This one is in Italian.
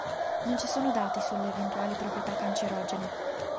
Non ci sono dati sulle eventuali proprietà cancerogene.